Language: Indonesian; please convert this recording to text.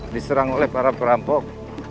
diserang oleh para perampok